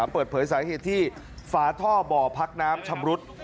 เปิดเผยสาเหตุที่ฝาท่อบ่อพักน้ำชำรุด